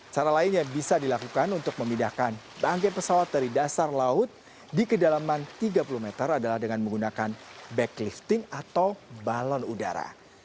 cara lain yang bisa dilakukan untuk memindahkan bangkai pesawat dari dasar laut di kedalaman tiga puluh meter adalah dengan menggunakan back lifting atau balon udara